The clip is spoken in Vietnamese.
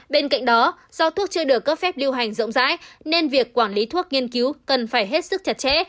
bên cạnh đó do thuốc chưa được cấp phép lưu hành rộng rãi nên việc quản lý thuốc nghiên cứu cần phải hết sức chặt chẽ